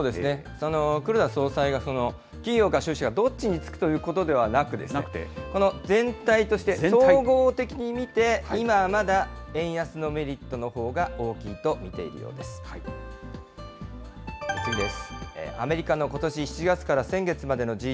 黒田総裁が、企業や消費者どっちにつくということではなく、この全体として、総合的に見て、今まで円安のメリットのほうが大きいと見ているようです。